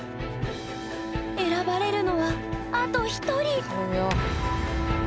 選ばれるのはあと１人！